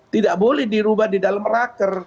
tidak boleh dirubah di dalam raker